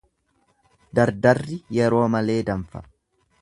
Dardarri yeroo malee danfa.